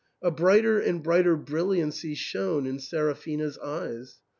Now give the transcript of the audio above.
a brighter and brighter brilliancy shone in Seraphina's eyes.